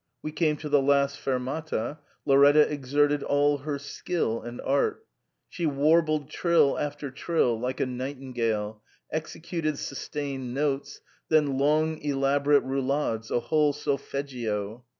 We came to the last fermata. Lauretta exerted all her skill and art ; she warbled trill after trill like a nightingale, executed sustained notes, then long elaborate roulades — a whole solfeggio.